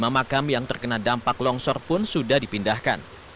lima makam yang terkena dampak longsor pun sudah dipindahkan